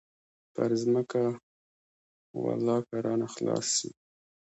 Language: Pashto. پر ځمکه ولله که رانه خلاص سي.